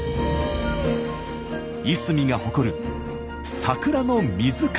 いすみが誇る桜の水鏡。